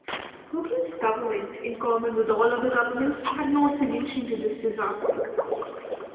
Hogan's government, in common with all other governments, had no solution to this disaster.